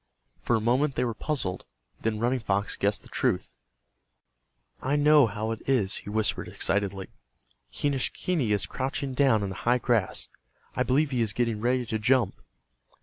For a moment they were puzzled. Then Running Fox guessed the truth. "I know how it is," he whispered, excitedly. "Quenischquney is crouching down in the high grass. I believe he is getting ready to jump."